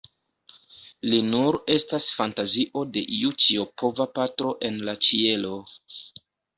Li nur estas fantazio de iu ĉiopova patro en la ĉielo.